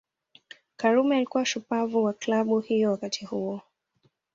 Karume alikuwa shupavu wa Klabu hiyo wakati huo